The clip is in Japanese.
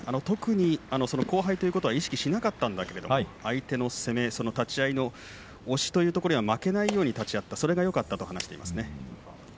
特に後輩ということは意識しなかったんだけど相手の攻め立ち合いの押しというところで負けないように立ち会ったそれがよかったと話していますね。